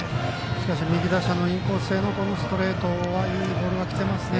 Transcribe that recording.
右打者のインコースへのストレートはいい球がきてますね。